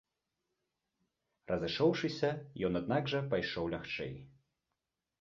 Разышоўшыся, ён аднак жа пайшоў лягчэй.